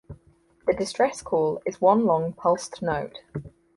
The distress call is one long pulsed note.